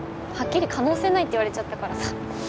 はっきり可能性ないって言われちゃったからさ